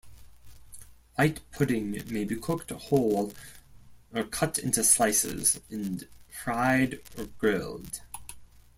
White pudding may be cooked whole or cut into slices and fried or grilled.